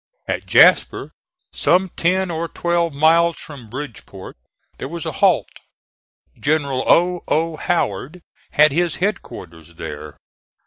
At Jasper, some ten or twelve miles from Bridgeport, there was a halt. General O. O. Howard had his headquarters there.